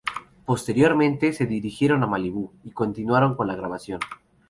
Posteriormente, se dirigieron a Malibú y continuaron con la grabación.